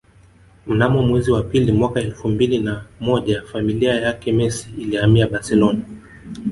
Mnamo mwezi wa pili mwaka elfu mbili na moja familia yake Messi ilihamia Barcelona